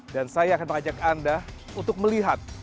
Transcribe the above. dan saya akan mengajak anda untuk melihat